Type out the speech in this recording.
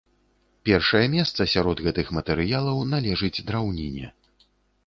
Першае месца сярод гэтых матэрыялаў належыць драўніне.